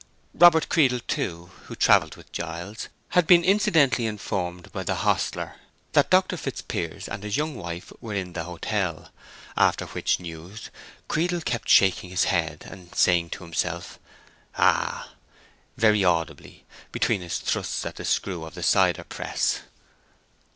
Robert Creedle, too, who travelled with Giles, had been incidentally informed by the hostler that Dr. Fitzpiers and his young wife were in the hotel, after which news Creedle kept shaking his head and saying to himself, "Ah!" very audibly, between his thrusts at the screw of the cider press.